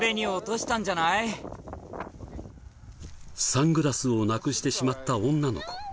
サングラスをなくしてしまった女の子。